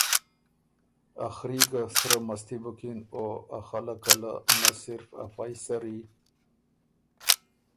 ا خري ګه سرۀ مستی بُکِن او ا خلقه له نۀ صرف ا فئ سرّي